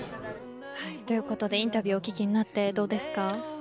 インタビューをお聞きになってどうですか。